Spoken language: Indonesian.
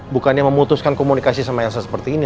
bukannya memutuskan komunikasi sama elsa seperti ini